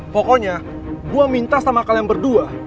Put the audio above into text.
pokoknya gue minta sama kalian berdua